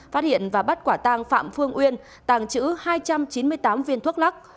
phát hiện và bắt quả tàng phạm phương uyên tàng trữ hai trăm chín mươi tám viên thuốc lắc